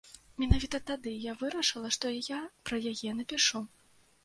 Менавіта тады я вырашыла, што я пра яе напішу.